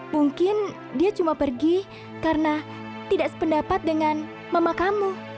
mungkin dia cuma pergi karena tidak sependapat dengan mama kamu